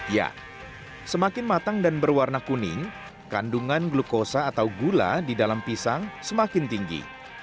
ya semakin matang dan berwarna kuning kandungan glukosa atau gula di dalam pisang semakin tinggi